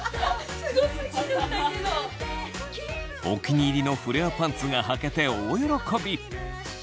お気に入りのフレアパンツがはけて大喜び。